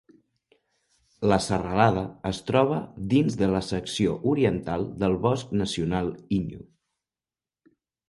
La serralada es troba dins de la secció oriental del bosc nacional Inyo.